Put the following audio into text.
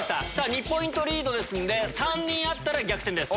２ポイントリードですので３人合ったら逆転です。